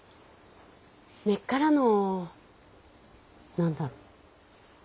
根っからの何だろ。